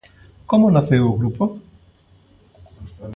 Como naceu o grupo?